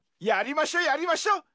やりましょやりましょ。